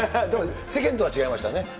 でも、世間とは違いましたね。